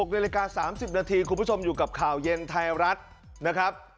๖นาฬิกา๓๐นาทีคุณผู้ชมอยู่กับข่าวเย็นไทยรัฐนะครับ